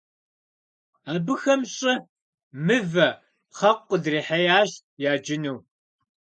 Абыхэм щӀы, мывэ, пхъэкъу къыдрахьеящ яджыну.